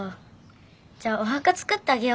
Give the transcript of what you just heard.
じゃあおはか作ってあげようか。